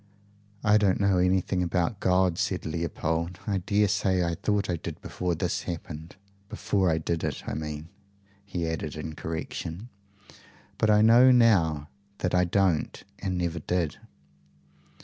"I don't know anything about God," said Leopold. "I daresay I thought I did before this happened before I did it, I mean," he added in correction," but I know now that I don't, and never did."